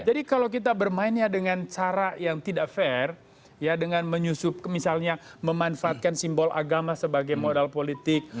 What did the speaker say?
jadi kalau kita bermainnya dengan cara yang tidak fair ya dengan menyusup misalnya memanfaatkan simbol agama sebagai modal politik